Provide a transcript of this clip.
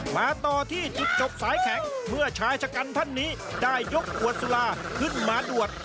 มาต่อที่จุดจบสายแข็งเมื่อชายชะกันท่านนี้ได้ยกขวดสุราขึ้นมาดวด